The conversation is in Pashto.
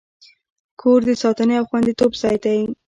کور د ساتنې او خوندیتوب ځای دی.